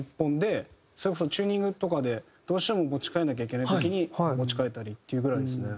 それこそチューニングとかでどうしても持ち替えなきゃいけない時に持ち替えたりっていうぐらいですね。